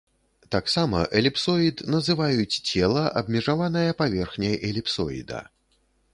Таксама эліпсоід называюць цела, абмежаванае паверхняй эліпсоіда.